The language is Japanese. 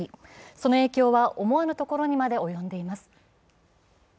その影響は思わぬところにまで及んでいます。